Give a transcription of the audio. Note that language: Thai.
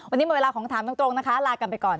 วันนี้หมดเวลาของถามตรงนะคะลากันไปก่อน